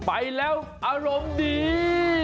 ไปแล้วอารมณ์ดี